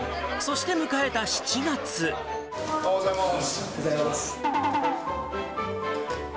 おはようございます。